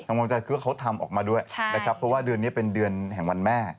กังวลใจคือเขาทำออกมาด้วยนะครับเพราะว่าเดือนนี้เป็นเดือนแห่งวันแม่